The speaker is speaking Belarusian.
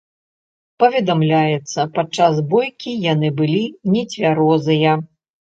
Паведамляецца, падчас бойкі яны былі нецвярозыя.